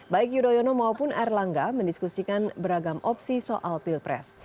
baik yudhoyono maupun erlangga mendiskusikan beragam opsi soal pilpres